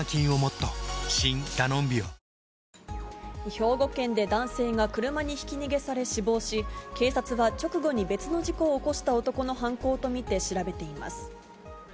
兵庫県で男性が車にひき逃げされ死亡し、警察は直後に別の事故を起こした男の犯行と見て調べています。